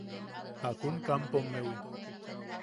¿Jakun kampomewi?